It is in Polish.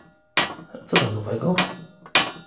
"Co tam nowego?"